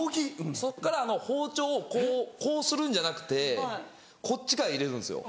そっから包丁をこうするんじゃなくてこっちから入れるんですよ。